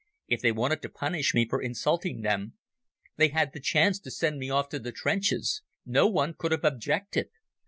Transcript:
If they wanted to punish me for insulting them they had the chance to send me off to the trenches. No one could have objected.